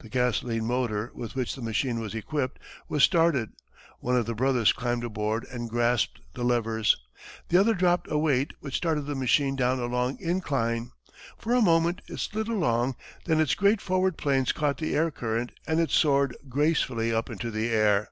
The gasoline motor with which the machine was equipped, was started, one of the brothers climbed aboard and grasped the levers, the other dropped a weight which started the machine down a long incline. For a moment, it slid along, then its great forward planes caught the air current and it soared gracefully up into the air.